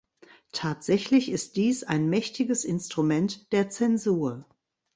Tatsächlich ist dies ein mächtiges Instrument der Zensur.